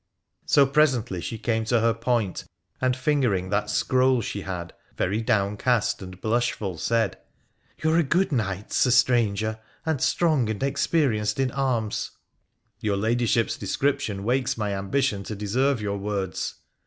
So presently she came to her point, and, fingering that Scroll she had, very downcast and blushful, said, ' You are a l6o WONDERFUL ADVENTURES OF good knight, Sir Stranger, and strong and experienced in arms.' ' Your Ladyship's description wakes my ambition to deserve your words.'